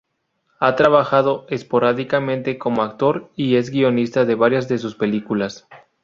Ha trabajado esporádicamente como actor y es guionista de varias de sus películas.